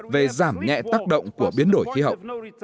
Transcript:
về giảm nhẹ tác động của biến đổi khí hậu